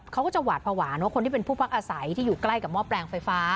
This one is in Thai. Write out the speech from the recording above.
เขาก็จะหวาดภาวะว่าคนที่เป็นผู้พักอาศัยที่อยู่ใกล้กับหม้อแปลงไฟฟ้า